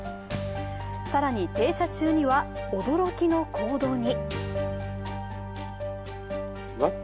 更に停車中には驚きの行動に。